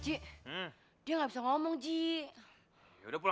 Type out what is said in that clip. amat nasib baiknya reliable